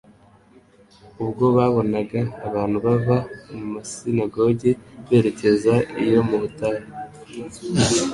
ubwo babonaga abantu bava mu masinagogi berekeza iyo mu butayu